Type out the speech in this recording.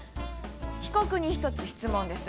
被告に１つ質問です。